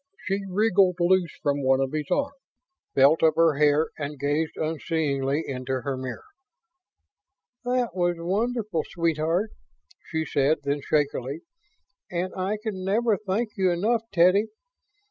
She wriggled loose from one of his arms, felt of her hair and gazed unseeingly into her mirror. "That was wonderful, sweetheart," she said then, shakily. "And I can never thank you enough, Teddy.